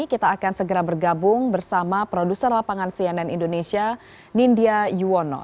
kita akan segera bergabung bersama produser lapangan cnn indonesia nindya yuwono